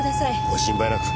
ご心配なく。